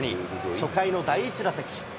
初回の第１打席。